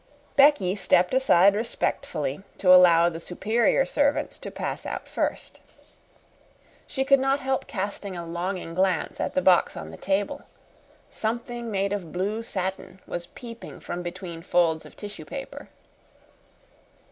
Becky stepped aside respectfully to allow the superior servants to pass out first. She could not help casting a longing glance at the box on the table. Something made of blue satin was peeping from between the folds of tissue paper.